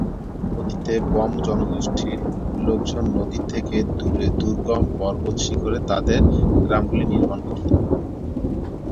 অতীতে বম জনগোষ্ঠীর লোকজন নদী থেকে দূরে দুর্গম পর্বত শিখরে তাদের গ্রামগুলি নির্মাণ করত।